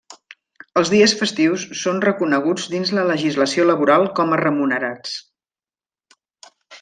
Els dies festius són reconeguts dins la legislació laboral com a remunerats.